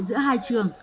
giữa hai trường